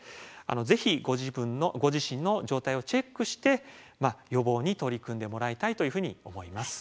ぜひご自身の状態をチェックして予防に取り組んでもらいたいというふうに思います。